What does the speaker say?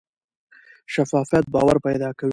شفافیت باور پیدا کوي